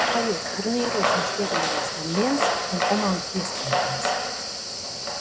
Šajos turnīros viņš piedalījās gan viens, gan komandu ieskaitēs.